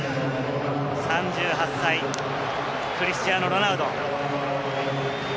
３８歳、クリスティアーノ・ロナウド。